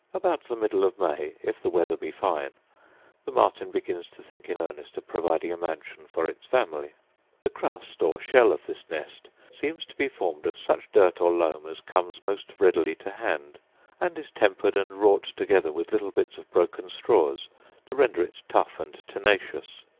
About the middle of May, if the weather be fine, the martin begins to think in earnest of providing a mansion for its family. The crust or shell of this nest seems to be formed of such dirt or loam as comes most readily to hand, and is tempered and wrought together with little bits of broken straws to render it tough and tenacious.